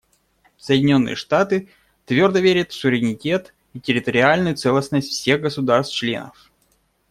Соединенные Штаты твердо верят в суверенитет и территориальную целостность всех государств-членов.